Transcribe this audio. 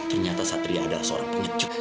ternyata satria adalah seorang pengecuk